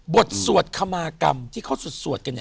บทสวดครที่เขาสอดสลด